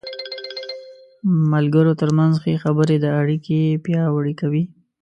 د ملګرو تر منځ ښه خبرې اړیکې پیاوړې کوي.